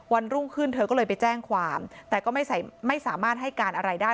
รุ่งขึ้นเธอก็เลยไปแจ้งความแต่ก็ไม่สามารถให้การอะไรได้